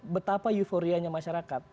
betapa euforianya masyarakat